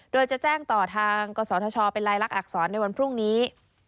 โดยจะแจ้งต่อทางกศธชเป็นลายลักษณอักษรในวันพรุ่งนี้